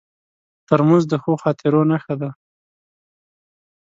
ترموز د ښو خاطرو نښه ده.